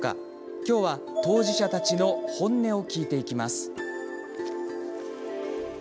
今日は、当事者たちの本音を聞いていきます。